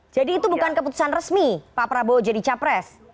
jadi itu bukan keputusan resmi pak prabowo jadi capres